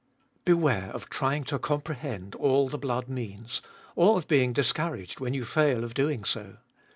4. Beware of trying to comprehend all the blood means, or of being discouraged when you fail of doing so.